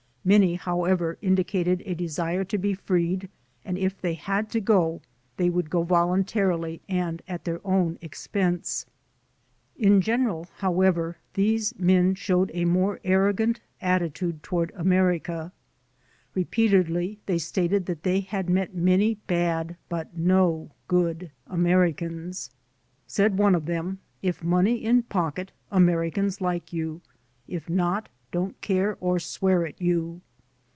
Many, however, indicated a desire to be freed and if they had to go they would go voluntarily and at their own expense. In general, however, these men showed a more arrogant attitude toward America. Repeatedly they stated that they had met many bad, but no good, Americans. Said one of them, "If money in pocket Americans like you, if not, don't care or swear at you."